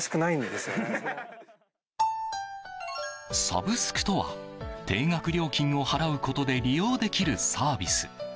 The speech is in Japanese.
サブスクとは定額料金を払うことで利用できるサービス。